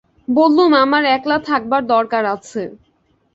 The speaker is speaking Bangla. বললুম, আমার একলা থাকবার দরকার আছে।